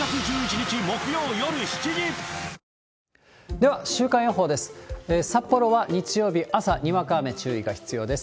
では、週間予報です。